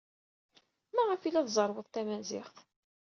Maɣef ay la tzerrwed tamaziɣt?